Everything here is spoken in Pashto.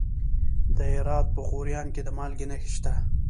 د هرات په غوریان کې د مالګې نښې شته.